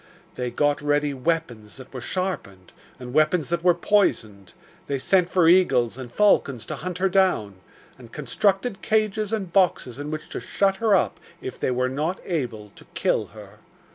They got ready weapons that were sharpened, and weapons that were poisoned; they sent for eagles and falcons to hunt her down, and constructed cages and boxes in which to shut her up if they were not able to kill her.